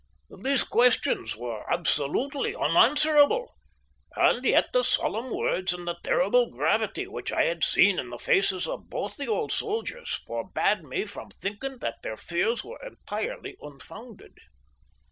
These questions were absolutely unanswerable, and yet the solemn words and the terrible gravity which I had seen in the faces of both the old soldiers forbade me from thinking that their fears were entirely unfounded.